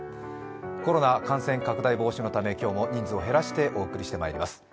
コロナ感染拡大防止のため、今日も人数を減らしてお送りしてまいります。